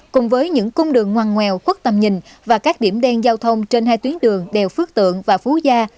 cùng với những cung đường ngoan ngoèo khuất tầm nhìn và các điểm đen giao thông trên hai tuyến đường đèo phước tượng và phú gia